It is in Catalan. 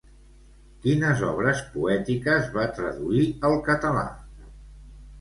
Quines obres poètiques va traduir al català?